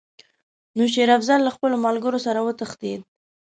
نو شېر افضل له خپلو ملګرو سره وتښتېد.